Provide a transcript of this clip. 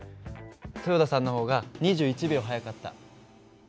豊田さんの方が２１秒速かった。